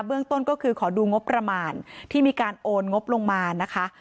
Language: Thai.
เรื่องต้นก็คือขอดูงบประมาณที่มีการโอนงบลงมานะคะ